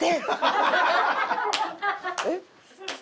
えっ？